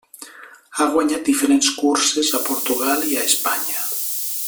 Ha guanyat diferents curses a Portugal i a Espanya.